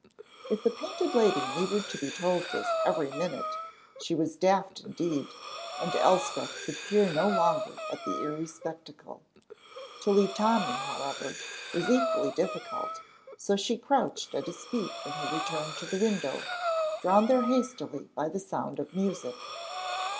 If the Painted Lady needed to be told this every minute she was daft indeed, and Elspeth could peer no longer at the eerie spectacle. To leave Tommy, however, was equally difficult, so she crouched at his feet when he returned to the window, drawn there hastily by the sound of music.